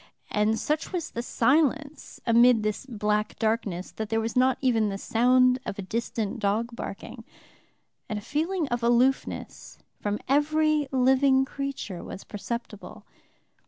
And such was the silence amid this black darkness, that there was not even the sound of a distant dog barking, and a feeling of aloofness from every living creature was perceptible.